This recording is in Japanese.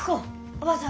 おばあさん